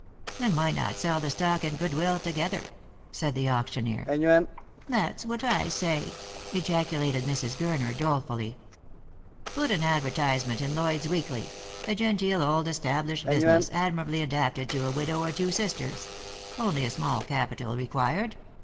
" Then why not sell the stock and good will together P" asked the auctioneer. " That's what I say," ejaculated Mrs. Gurner dolefully. Lost for Love. 351 " Ptit an advertisement in Lloyd's Weekly — A genteel old established business, admirably adapted to a widow or two sisters. Only a small capital required.